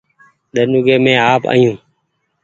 ۮن اوڳي مينٚ آپ آيو